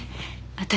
私